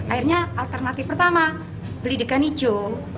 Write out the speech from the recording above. akhirnya alternatif pertama beli dekan hijau